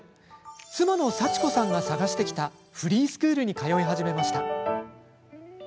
妻の幸子さんが探してきたフリースクールに通い始めました。